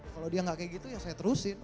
kalau dia nggak kayak gitu ya saya terusin